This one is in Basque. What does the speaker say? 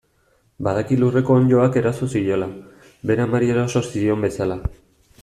Badaki lurreko onddoak eraso ziola, bere amari eraso zion bezala.